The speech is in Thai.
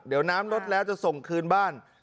เดี๋ยวน้ำลดแล้วจะส่งคืนบ้าน